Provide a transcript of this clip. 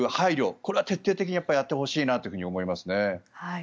これは徹底的にやってほしいなと思いますね。